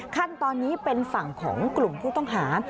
ขั้นตอนนี้เป็นฝั่งของกลุ่มผู้ต้องหา